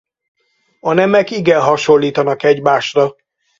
A nemek igen hasonlítanak egymásra.